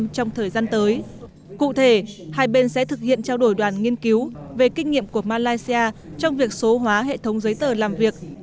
cụ thể hai bên sẽ thực hiện trao đổi đoàn nghiên cứu về kinh nghiệm của malaysia trong việc số hóa hệ thống giấy tờ làm việc